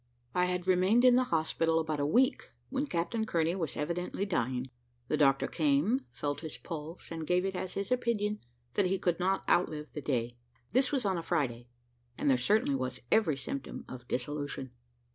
I had remained in the hospital about a week, when Captain Kearney was evidently dying: the doctor came, felt his pulse, and gave it as his opinion that he could not outlive the day. This was on a Friday, and there certainly was every symptom of dissolution.